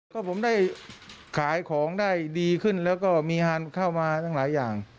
ก็ผมได้ขายของได้ดีขึ้นแล้วก็มีงานเข้ามาตั้งหลายอย่าง